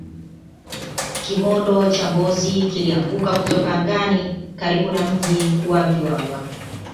kimondo cha mbozi kilianguka kutoka angani karibu na mji wa vwawa